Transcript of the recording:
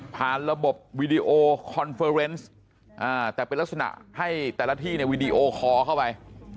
ผ่านระบบวิดีโอคอนเฟอร์เฟอร์เฟิร์นซ์แต่เป็นลักษณะให้แต่ละที่ในวิดีโอคอเข้าไป